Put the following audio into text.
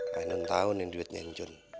gak nentang nih duitnya cun